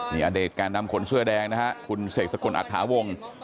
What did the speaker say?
นี่อดีตการดำขนเสื้อแดงนะครับคุณเสกสกลอัฐาวงค์